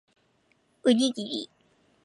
おにぎり